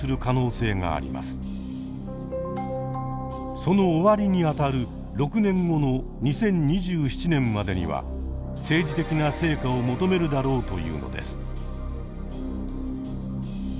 その終わりにあたる６年後の２０２７年までには政治的な成果を求めるだろうというのです。